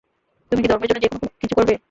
তুমি কি ধর্মের জন্য যেকোন কিছু করবে?